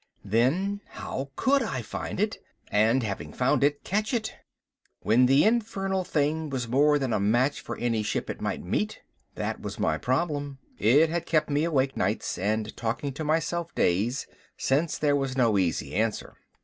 Then how could I find it and having found it, catch it? When the infernal thing was more than a match for any ship it might meet. That was my problem. It had kept me awake nights and talking to myself days, since there was no easy answer.